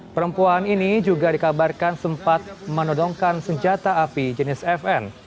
perempuan ini juga dikabarkan sempat menodongkan senjata api jenis fn